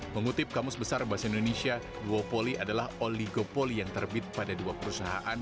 mengutip kamus besar bahasa indonesia duopoly adalah oligopoli yang terbit pada dua perusahaan